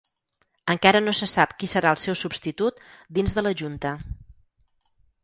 Encara no se sap qui serà el seu substitut dins de la junta.